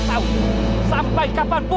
kasihan deh lo